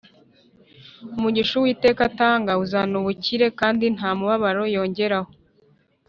umugisha uwiteka atanga uzana ubukire, kandi nta mubabaro yongeraho